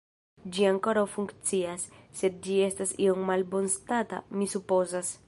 Ĝi ankoraŭ funkcias, sed ĝi estas iom malbonstata, mi supozas.